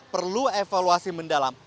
perlu evaluasi mendalam